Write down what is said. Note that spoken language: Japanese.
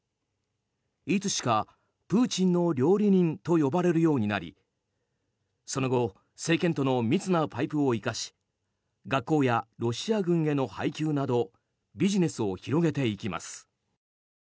いつしかプーチンの料理人と呼ばれるようになりその後、政権との密なパイプを生かし学校やロシア軍への配給などビジネスを広げていきます。